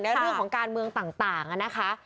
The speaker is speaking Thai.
เรื่องของการเมืองต่างนะคะ